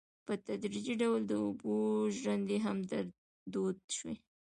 په تدریجي ډول د اوبو ژرندې هم دود شوې.